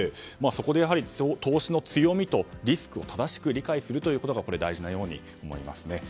そこで、投資の強みとリスクを正しく理解することが大事なように思いますね。